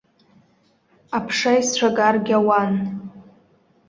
Аԥша исцәагаргьы ауан.